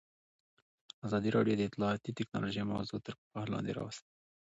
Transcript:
ازادي راډیو د اطلاعاتی تکنالوژي موضوع تر پوښښ لاندې راوستې.